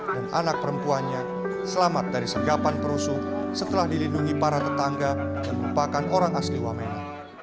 dan anak perempuannya selamat dari segapan perusuh setelah dilindungi para tetangga dan rupakan orang asli wamena